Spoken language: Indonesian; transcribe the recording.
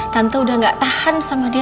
tante udah gak tahan sama dia